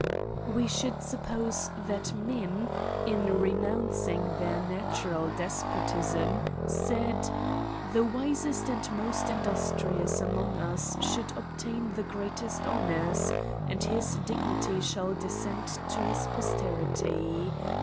We should suppose that men, in renouncing their natural des potism, said, 7he wisest and most industrious among us should obtain the greatest honours, and his dignity shall descend to his posterity.